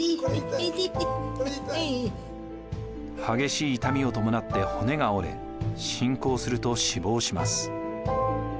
激しい痛みを伴って骨が折れ進行すると死亡します。